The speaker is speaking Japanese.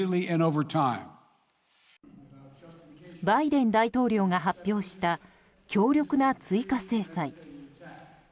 バイデン大統領が発表した強力な追加制裁。